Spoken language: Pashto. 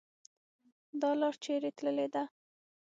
.دا لار چیري تللې ده؟